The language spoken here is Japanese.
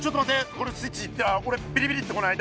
これスイッチいったらおれビリビリってこない？